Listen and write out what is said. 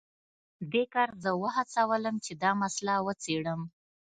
دې کار زه وهڅولم چې دا مسله وڅیړم